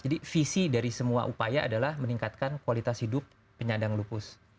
visi dari semua upaya adalah meningkatkan kualitas hidup penyandang lupus